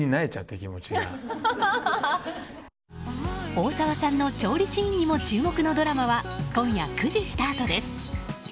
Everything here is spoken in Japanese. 大沢さんの調理シーンにも注目のドラマは今夜９時スタートです。